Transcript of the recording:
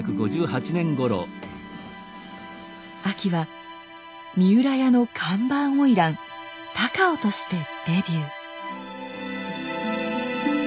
あきは三浦屋の看板花魁高尾としてデビュー。